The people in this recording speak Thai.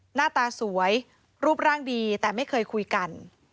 หน้าตาสวยรูปร่างดีแต่ไม่เคยคุยกัน